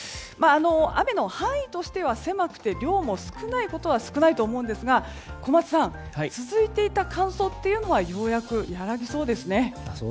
雨の範囲としては狭くて量も少ないことは少ないと思うんですが小松さん、続いていた乾燥はようやく和らぎそうですね。